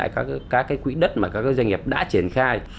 các quỹ đất mà các doanh nghiệp đã triển khai